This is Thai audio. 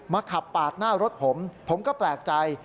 ขับปาดหน้ารถผมผมก็แปลกใจ